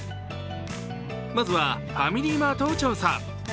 まずはファミリーマートを調査。